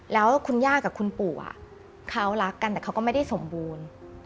แล้วคุณย่ากับคุณปู่เขารักกันแต่เขาก็ไม่ได้สมบูรณ์